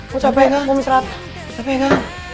gue capek kan